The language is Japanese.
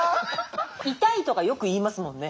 痛いとかよく言いますもんね。